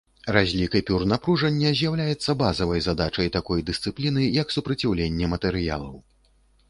Разлік эпюр напружання з'яўляецца базавай задачай такой дысцыпліны, як супраціўленне матэрыялаў.